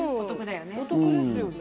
お得ですよね。